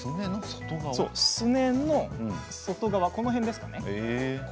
すねの外側、ここら辺ですかね。